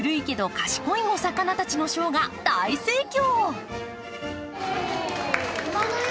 賢いお魚たちのショーが大盛況。